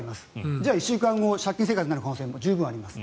じゃあ１週間後借金生活になる可能性は十分あります。